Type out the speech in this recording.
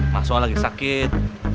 masua lagi sakit